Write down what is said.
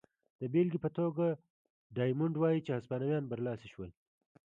د بېلګې په توګه ډایمونډ وايي چې هسپانویان برلاسي شول.